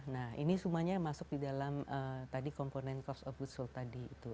nah ini semuanya masuk di dalam tadi komponen cost of goodsul tadi itu